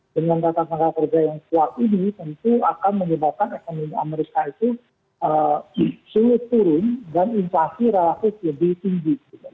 dengan data tenaga kerja yang kuat ini tentu akan menyebabkan ekonomi amerika itu sulit turun dan inflasi relatif lebih tinggi